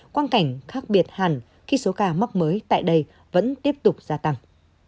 quan cảnh khác biệt hẳn khi số ca mắc mới tại đây vẫn tiếp tục gia tăng